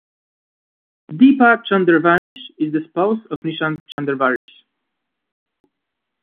Deepa Chandravanshi is the spouse of Nishant Chandravanshi.